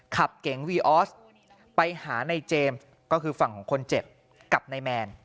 ขับเก่งวีออสไปหาในเจมส์ก็คือฝั่งคนเจ็บกับในแมน